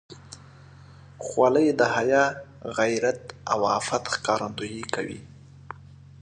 خولۍ د حیا، غیرت او عفت ښکارندویي کوي.